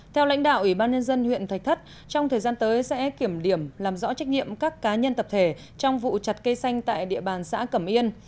theo lãnh đạo ủy ban nhân dân huyện thạch thất trong thời gian tới sẽ kiểm điểm làm rõ trách nhiệm các cá nhân tập thể trong vụ chặt cây xanh tại địa bàn xã cẩm yên